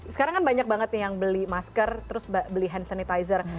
sekarang kan banyak banget nih yang beli masker terus beli hand sanitizer